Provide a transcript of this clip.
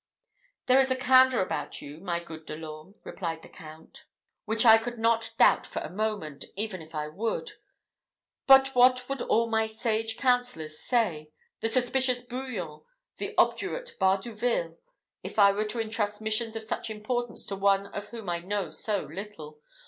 "There is a candour about you, my good De l'Orme," replied the Count, "which I could not doubt for a moment, if I would: but what would all my sage counsellors say the suspicious Bouillon, the obdurate Bardouville if I were to intrust missions of such importance to one of whom I know so little?